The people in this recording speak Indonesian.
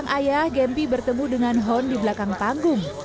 gempi bertemu dengan hon di belakang panggung